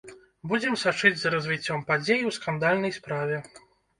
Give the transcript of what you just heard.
Будзем сачыць за развіццём падзей у скандальнай справе.